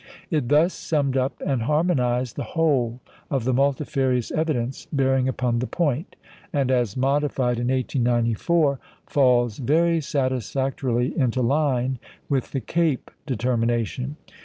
It thus summed up and harmonised the whole of the multifarious evidence bearing upon the point, and, as modified in 1894, falls very satisfactorily into line with the Cape determination.